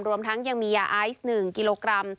รวมทั้งยังมียาไอซ์๑กิโลกรัม